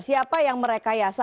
siapa yang merekayasa